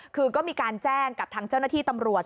คือก็มีการแจ้งกับทางเจ้าหน้าที่ตำรวจ